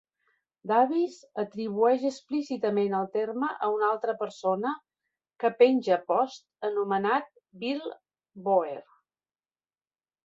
Davis atribueix explícitament el terme a un altre persona que penja posts, anomenat Bill Bohrer.